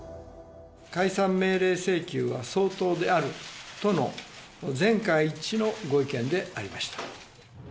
解散命令請求は相当であるとの、全会一致のご意見でありました。